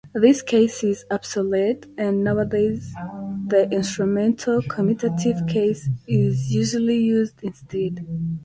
This case is obsolete and nowadays the instrumental-comitative case is usually used instead.